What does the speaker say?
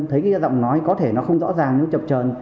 thấy cái giọng nói có thể nó không rõ ràng nó chập trờn